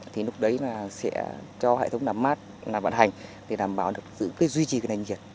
thì lúc đấy sẽ cho hệ thống làm mát vận hành để đảm bảo được duy trì lệnh nhiệt